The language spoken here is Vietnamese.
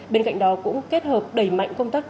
bên cạnh đó cũng kết hợp đẩy mạnh công tác